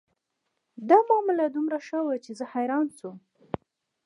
دا معامله دومره ښه وه چې زه حیرانه شوم